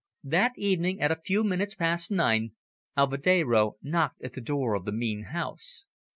That evening, at a few minutes past nine, Alvedero knocked at the door of the mean house.